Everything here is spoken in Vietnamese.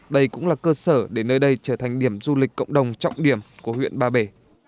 đây cũng là cơ sở để nơi đây trở thành điểm du lịch cộng đồng trọng điểm của huyện ba bể